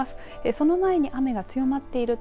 その前に雨が強まっている所